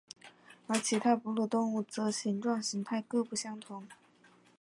而其他哺乳动物则形状形态各不相同。